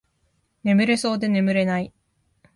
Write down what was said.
眠れそうで眠れない